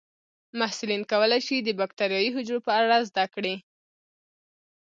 محصلین کولی شي د بکټریايي حجرو په اړه زده کړي.